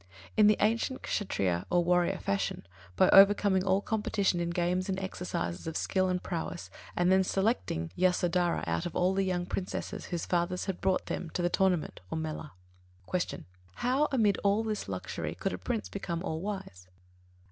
In the ancient Kshattriya or warrior fashion, by overcoming all competitors in games and exercises of skill and prowess, and then selecting Yasodharā out of all the young princesses, whose fathers had brought them to the tournament or mela. 25. Q. _How, amid all this luxury, could a Prince become all wise?